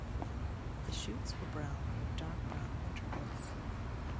The shoots are brown, with dark brown winter buds.